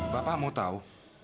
bapak mau tahu